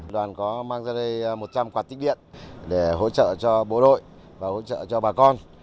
đoàn có mang ra đây một trăm linh quạt tích điện để hỗ trợ cho bộ đội và hỗ trợ cho bà con